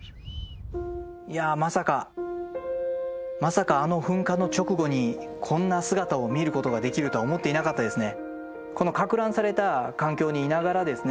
いやまさかまさかあの噴火の直後にこんな姿を見ることができるとは思っていなかったですね。